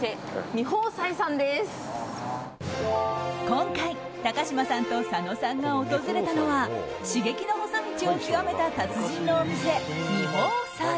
今回、高嶋さんと佐野さんが訪れたのは刺激の細道を極めた達人のお店味芳斎。